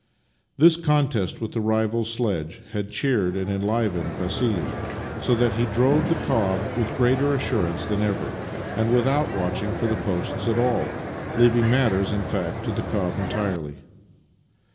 This contest with the rival sledge had cheered and enlivened Vassili, so that he drove the cob with greater assurance than ever, and without watching for the posts at all — leaving matters, in fact, to the cob entirely.